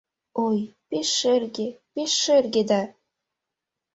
Ой, пеш шерге, пеш шерге да